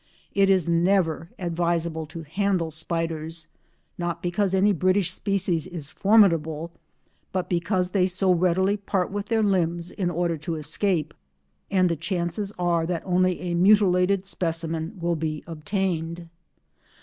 It is never advisable to handle spiders, not because any British species is formidable, but because they so readily part with their limbs in order to escape, and the chances are that only a mutilated specimen will be obtained.